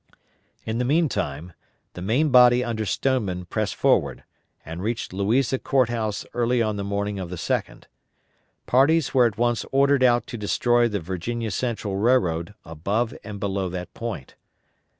In the meantime, the main body under Stoneman pressed forward, and reached Louisa Court House early on the morning of the 2d. Parties were at once ordered out to destroy the Virginia Central Railroad above and below that point.